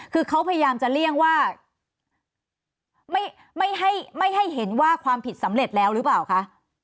คือเขาพยายามจะเลี่ยงว่าไม่ให้เห็นว่าความผิดสำเร็จแล้วหรือเปล่าคะ